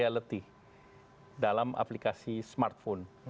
dan ini adalah program yang terakhir di dalam aplikasi smartphone